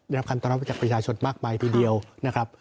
ได้รับคำตอบรับมาจากประชาชนมากมายทีเดียวนะครับ